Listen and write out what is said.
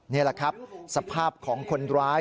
นี่แหละครับสภาพของคนร้าย